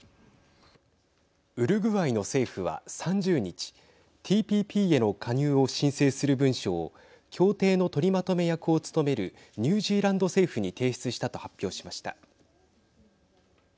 ウルグアイの政府は、３０日ＴＰＰへの加入を申請する文書を協定の取りまとめ役を務めるニュージーランド政府に提出したと発表しました。